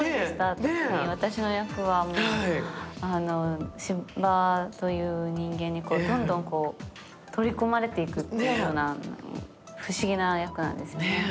特に私の役は斯波という人間にどんどん取り込まれていくというような不思議な役なんですね。